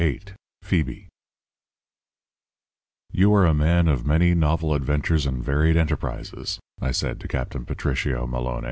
VII PHOEBE "You are a man of many novel adventures and varied enterprises," I said to Captain Patricio Maloné.